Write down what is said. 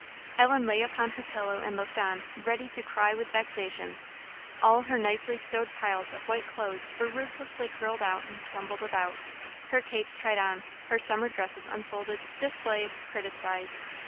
Ellen lay upon her pillow and looked on, ready to cry with vexation. All her nicely stowed piles of white clothes were ruthlessly hurled out and tumbled about; her capes tried on; her summer dresses unfolded, displayed, criticised.